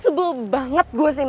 sebel banget gue sms nya adrian